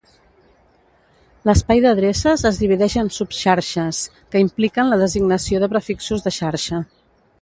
L'espai d'adreces es divideix en subxarxes, que impliquen la designació de prefixos de xarxa.